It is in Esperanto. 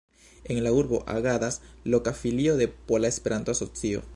En la urbo agadas loka Filio de Pola Esperanto-Asocio.